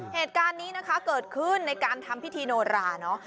เหตุการณ์นี้นะคะเกิดขึ้นในการทำพิธีโนราเนอะ